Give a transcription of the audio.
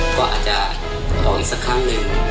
ก็อาจจะรออีกสักครั้งหนึ่ง